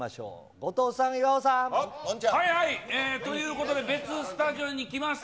後藤さん、はいはい、ということで、別スタジオに来ました。